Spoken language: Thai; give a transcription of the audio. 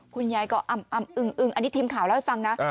คุณยายก็อ้ำอึงอันนี้ทีมข่าวเล่าให้ฟังนะ